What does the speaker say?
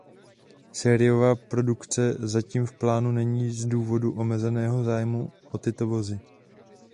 Sériová produkce zatím v plánu není z důvodu omezeného zájmu o tyto vozy.